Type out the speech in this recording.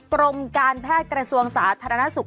กรมการแพทย์กระทรวงสาธารณสุข